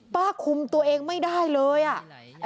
คุมตัวเองไม่ได้เลยอ่ะ